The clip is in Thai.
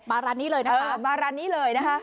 ร้านนี้เลยนะคะมาร้านนี้เลยนะคะ